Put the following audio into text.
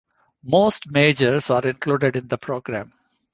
Most majors are included in the program.